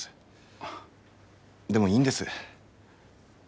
でもいいんです。